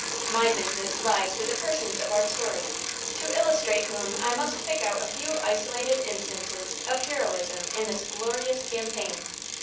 My business lies with the persons of our story, to illustrate whom I must pick out a few isolated instances of heroism in this glorious campaign.